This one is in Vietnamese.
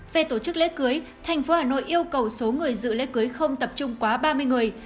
về tổ chức lễ cưới thành phố hà nội yêu cầu số người dự lễ cưới không tập trung quá ba mươi người